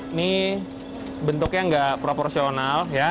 ini bentuknya nggak proporsional ya namun juga pakai masak